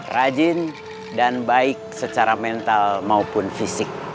rajin dan baik secara mental maupun fisik